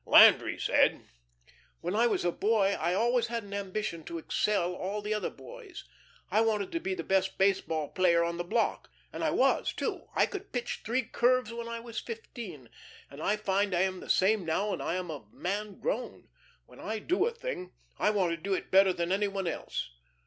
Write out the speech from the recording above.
Landry had said: "When I was a boy, I always had an ambition to excel all the other boys. I wanted to be the best baseball player on the block and I was, too. I could pitch three curves when I was fifteen, and I find I am the same now that I am a man grown. When I do a thing, I want to do it better than any one else.